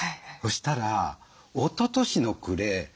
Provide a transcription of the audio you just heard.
そしたらおととしの暮れ